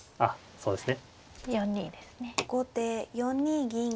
そうですね。